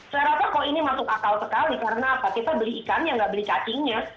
saya rasa kalau ini masuk akal sekali karena apa kita beli ikannya nggak beli cacingnya